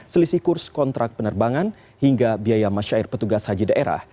selisih kurs kontrak penerbangan hingga biaya masyair petugas haji daerah